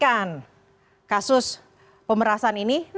kemudian lagi heboh hebohnya kasus pemerasan ini dinaikan